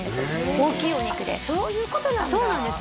大きいお肉であっそういうことなんだそうなんです